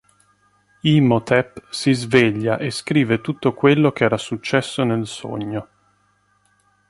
Imhotep si sveglia e scrive tutto quello che era successo nel sogno.